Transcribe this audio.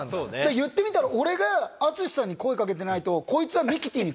いってみたら俺が淳さんに声掛けてないと。